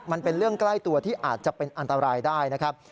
มันเป็นเรื่องใกล้ตัวที่อาจจะเป็นอันตรายได้นะครับ